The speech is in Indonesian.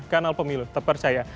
kanal pemilu tepercaya